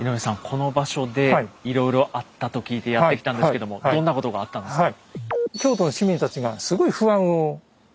この場所でいろいろあったと聞いてやって来たんですけどもどんなことがあったんですか？